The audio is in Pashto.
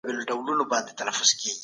تاسي خپل ملګري مه بېدوئ.